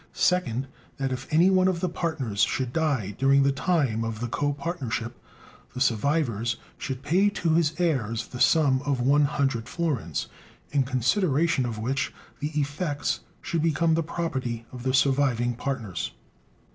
Second, that if any one of the partners should die during the time of the copartnership, the survivors should pay to his heirs the sum of one hundred florins, in consideration of which the effects should become the property of the surviving partners.